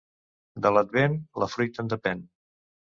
De l'Advent, la fruita en depèn.